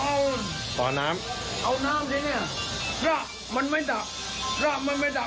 แล้วผมเอาน้ำที่นี่ละมันไม่ดับละมันไม่ดับ